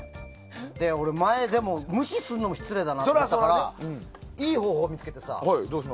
前に俺、無視すんのも失礼だなと思ったからいい方法を見つけてさ。